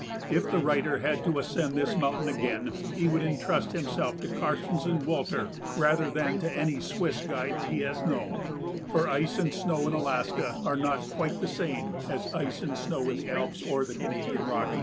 If the writer had to ascend this mountain again he would intrust himself to Karstens and Walter rather than to any Swiss guides he has known, for ice and snow in Alaska are not quite the same as ice and snow in the Alps or the Canadian Rockies.